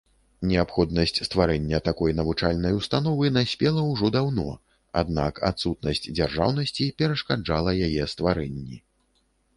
Неабходнасць стварэння такой навучальнай установы наспела ўжо даўно, аднак адсутнасць дзяржаўнасці перашкаджала яе стварэнні.